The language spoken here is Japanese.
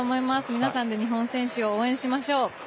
皆さんで日本選手を応援しましょう。